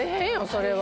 それは！